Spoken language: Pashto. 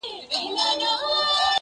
د پيغورونو په مالت کي بې ريا ياري ده.